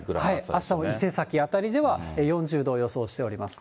あしたも伊勢崎辺りでは、４０度を予想しております。